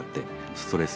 ストレス